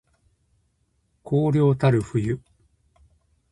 荒涼たる冬